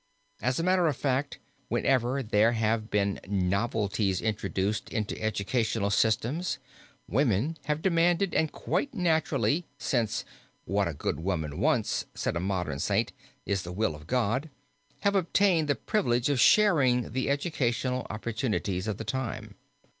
As a matter of fact whenever there have been novelties introduced into educational systems, women have demanded and quite naturally since, "What a good woman wants," said a modern saint, "is the will of God" have obtained the privilege of sharing the educational opportunities of the time.